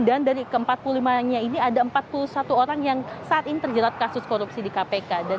dan dari ke empat puluh lima nya ini ada empat puluh satu orang yang saat ini terjelat kasus korupsi di kpk